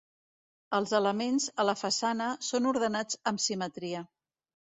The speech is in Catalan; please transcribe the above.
Els elements, a la façana, són ordenats amb simetria.